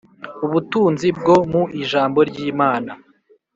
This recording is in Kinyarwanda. Ubutunzi bwo mu Ijambo ry imana